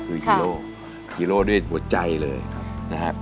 คือฮีโร่ฮีโร่ด้วยหัวใจเลยนะครับ